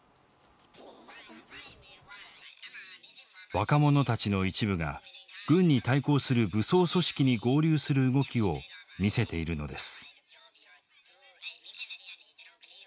若者たちの一部が軍に対抗する武装組織に合流する動きを見せているのです。